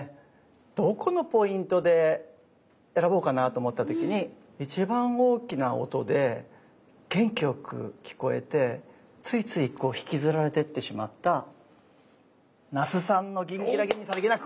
どこのポイントで選ぼうかなと思った時に一番大きな音で元気よく聴こえてついついこう引きずられてってしまった那須さんの「ギンギラギンにさりげなく」。